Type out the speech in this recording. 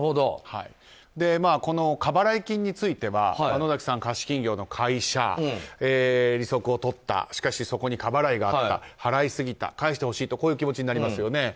この過払い金については野崎さん、貸金業の会社利息を取ったしかし、そこに過払いがあった払いすぎた、返してほしとこういう気持ちになりますよね。